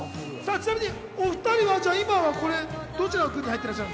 ちなみにお２人は今はどちらの軍に入っているの？